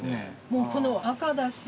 もうこの赤だし。